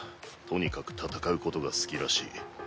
とにかく戦うことが好きらしい。